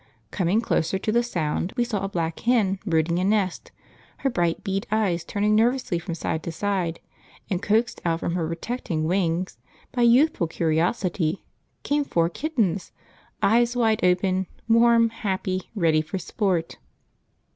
Coming closer to the sound we saw a black hen brooding a nest, her bright bead eyes turning nervously from side to side; and, coaxed out from her protecting wings by youthful curiosity, came four kittens, eyes wide open, warm, happy, ready for sport!